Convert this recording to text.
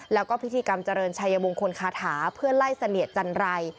แล้วก็พิธีกรรมเจริญชัยมงคลคาถาเพื่อไล่เสนียดจันรัย